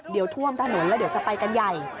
เดี๋ยวท่วมถนนแล้วเดี๋ยวจะไปกันใหญ่